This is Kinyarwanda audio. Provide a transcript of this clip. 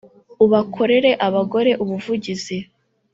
u bakorera abagore ubuvugizi